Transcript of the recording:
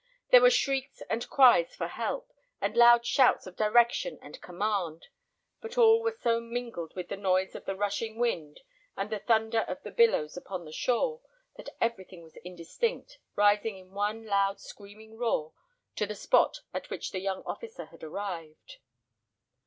There were shrieks and cries for help, and loud shouts of direction and command; but all were so mingled with the noise of the rushing wind, and the thunder of the billows upon the shore, that everything was indistinct, rising in one loud screaming roar to the spot at which the young officer had arrived.